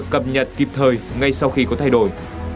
cập nhật kịp thời ngay sau khi có thay đổi